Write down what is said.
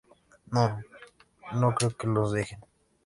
no... no creo que nos dejen.